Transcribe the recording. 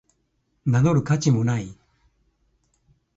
名乗る価値もない